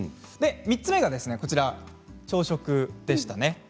３つ目が朝食でしたね。